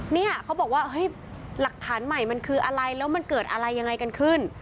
เนี่ยเขาบอกว่าเฮ้ยหลักฐานใหม่มันคืออะไรแล้วมันเกิดอะไรยังไงกันขึ้น